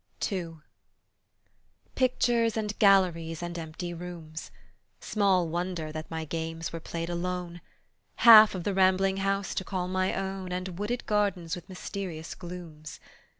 II Pictures and galleries and empty rooms! Small wonder that my games were played alone; Half of the rambling house to call my own, And wooded gardens with mysterious glooms.